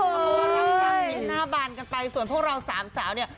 เพลงในหน้าบาลกันไปส่วนพวกเราสามสาวเนี้ย